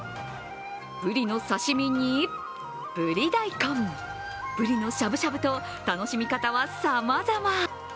ブリの刺身に、ブリ大根、ブリのしゃぶしゃぶと楽しみ方はさまざまな。